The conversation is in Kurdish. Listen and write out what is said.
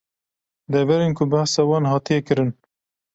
Deverên ku behsa wan hatiye kirin